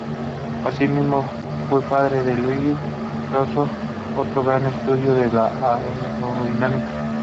Así mismo, fue padre de Luigi Crocco, otro gran estudioso de la aerodinámica.